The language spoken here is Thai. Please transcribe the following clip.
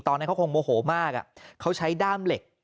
ตอนนั้นเขาคงโมโหมากเขาใช้ด้ามเหล็ก